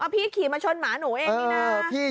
พี่ขี่มาชนหมาหนูเองนี่นะ